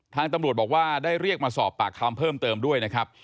ทางตำรวจบอกว่าได้เรียกมาสอบปากคำเพิ่มเติมด้วยนะครับ